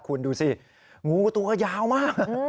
คุณดูสิงูตัวก็ยาวมาก